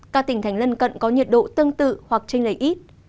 các tỉnh thành lân cận có nhiệt độ tương tự hoặc trên lấy ít